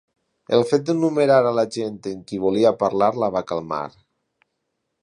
El fet d'enumerar a la gent amb qui volia parlar la va calmar.